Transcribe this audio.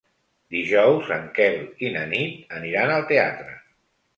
Dijous en Quel i na Nit aniran al teatre.